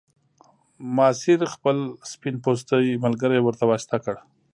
ماسیر خپل سپین پوستی ملګری ورته واسطه کړ.